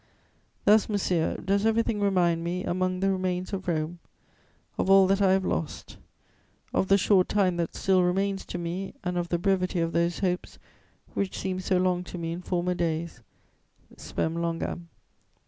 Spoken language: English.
Thus, monsieur, does everything remind me, among the remains of Rome, of all that I have lost, of the short time that still remains to me and of the brevity of those hopes which seemed so long to me in former days: _spem longam.